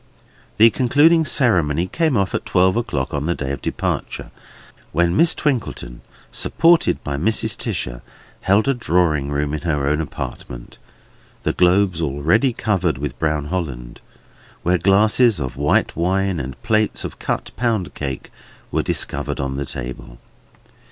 The concluding ceremony came off at twelve o'clock on the day of departure; when Miss Twinkleton, supported by Mrs. Tisher, held a drawing room in her own apartment (the globes already covered with brown Holland), where glasses of white wine and plates of cut pound cake were discovered on the table.